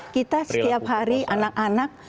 kita setiap hari anak anak